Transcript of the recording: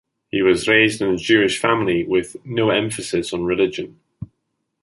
He was raised in a Jewish family with "no emphasis on religion".